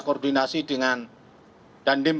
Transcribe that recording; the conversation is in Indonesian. koordinasi dengan dandim